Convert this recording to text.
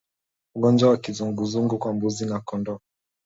Ugonjwa wa kizunguzungu kwa mbuzi na kondoo